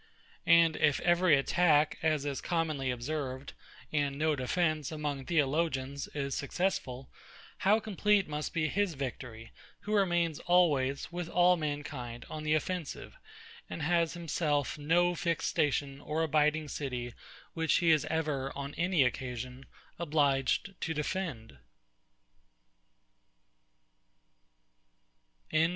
And if every attack, as is commonly observed, and no defence, among Theologians, is successful; how complete must be his victory, who remains always, with all mankind, on the offensive, and has himself no fixed station or abiding city, which he is ever, on any occasion, obliged to defend?